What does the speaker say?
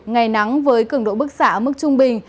ngày nắng với cường độ bức xạ mức trung bình